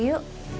nama yang bagus